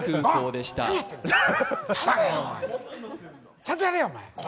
ちゃんとやれよ！